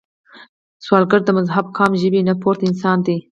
سوالګر د مذهب، قام، ژبې نه پورته انسان دی